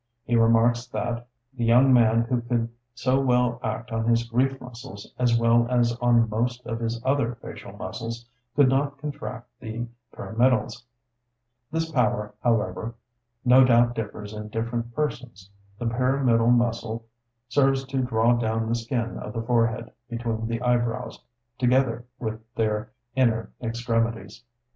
He remarks that the young man who could so well act on his grief muscles, as well as on most of his other facial muscles, could not contract the pyramidals. This power, however, no doubt differs in different persons. The pyramidal muscle serves to draw down the skin of the forehead between the eyebrows, together with their inner extremities.